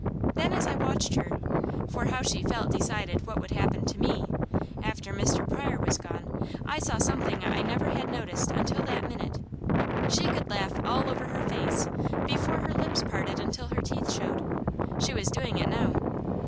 Then as I watched her for how she felt decided what would happen to me, after Mr. Pryor was gone I saw something I never had noticed until that minute. She could laugh all over her face, before her lips parted until her teeth showed. She was doing it now.